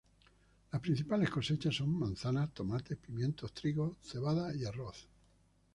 Las principales cosechas son manzanas, tomates, pimientos, trigo, cebada y arroz.